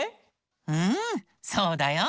うんそうだよ。